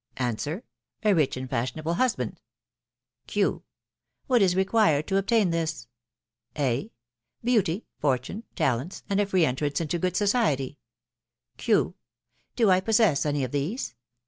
A» A rich and fashionable husband. p S 70 THE WIDOW BARN A BY. Q. "What is required to obtain this ? A, Beauty, fortune, talents, and a free entrance into good society. Q. Do I possess any of these